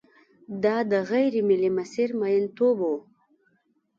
دا د غېر ملي مسیر میینتوب و.